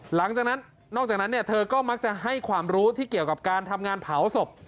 หลังจากนั้นนอกจากนั้นเนี่ยเธอก็มักจะให้ความรู้ที่เกี่ยวกับการทำงานเผาศพ